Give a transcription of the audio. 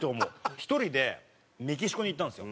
１人でメキシコに行ったんですよ。